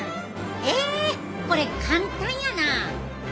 へえこれ簡単やな！